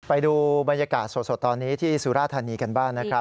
ไปดูบรรยากาศสดตอนนี้ที่สุราธานีกันบ้างนะครับ